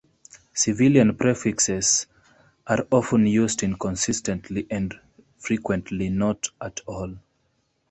Civilian prefixes are often used inconsistently, and frequently not at all.